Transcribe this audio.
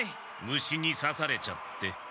虫にさされちゃって。